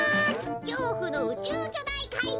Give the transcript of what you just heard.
きょうふのうちゅうきょだいかいじゅう